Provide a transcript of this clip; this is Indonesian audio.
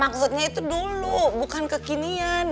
maksudnya itu dulu bukan kekinian